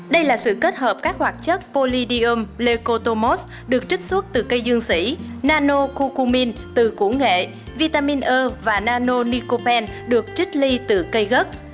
đây là sự kết hợp các hoạt chất polydium leucotomose được trích xuất từ cây dương sỉ nano cucumin từ củ nghệ vitamin e và nano licopene được trích ly từ cây gất